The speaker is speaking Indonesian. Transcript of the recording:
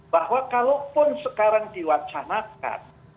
bahwa kalaupun sekarang diwacanakan